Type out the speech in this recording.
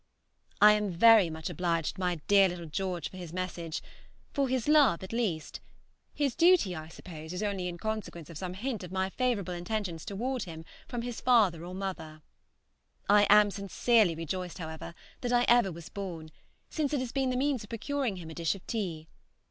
I am very much obliged to my dear little George for his message, for his love at least; his duty, I suppose, was only in consequence of some hint of my favorable intentions towards him from his father or mother. I am sincerely rejoiced, however, that I ever was born, since it has been the means of procuring him a dish of tea.